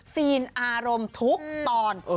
ซีนอารมณ์ทุกตอน